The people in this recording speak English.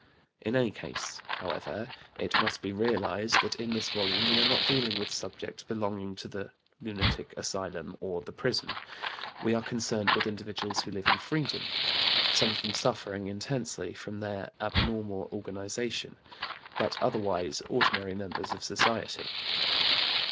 In any case, however, it must be realized that in this volume we are not dealing with subjects belonging to the lunatic asylum, or the prison. We are concerned with individuals who live in freedom, some of them suffering intensely from their abnormal organization, but otherwise ordinary members of society.